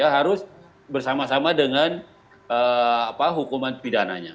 harus bersama sama dengan hukuman pidananya